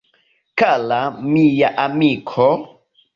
Kara mia amiko!